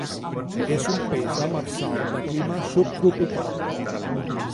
És un peix demersal de clima subtropical.